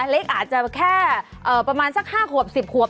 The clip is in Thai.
เล็กอาจจะแค่ประมาณสัก๕ขวบ๑๐ขวบ